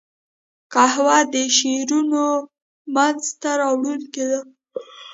قهوه د شعرونو منځ ته راوړونکې ده